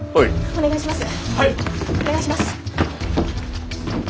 お願いします。